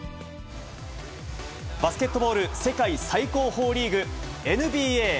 バスケットボール世界最高峰リーグ、ＮＢＡ。